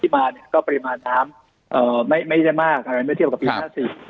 ที่มาเนี่ยก็ปริมาณน้ำไม่ใช่มากไม่เทียบกับปี๕๔